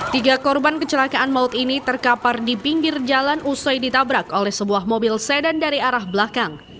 tiga korban kecelakaan maut ini terkapar di pinggir jalan usai ditabrak oleh sebuah mobil sedan dari arah belakang